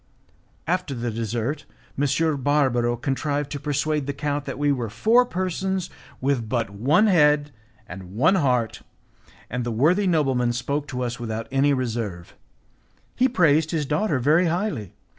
After the dessert, M. Barbaro contrived to persuade the count that we were four persons with but one head and one heart, and the worthy nobleman spoke to us without any reserve. He praised his daughter very highly.